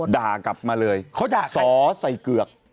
ด่ากลับมาเลยเขาด่าสอใส่เกือก